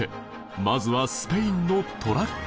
まずはスペインのトラック